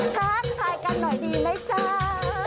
ทักทายกันหน่อยดีไหมจ้า